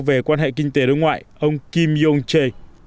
về quan hệ kinh tế đối ngoại ông kim yong che